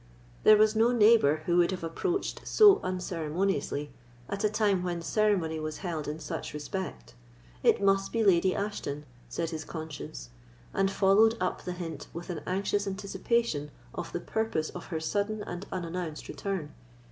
There was no neighbour who would have approached so unceremoniously, at a time when ceremony was held in such respect. It must be Lady Ashton, said his conscience, and followed up the hint with an anxious anticipation of the purpose of her sudden and unannounced return.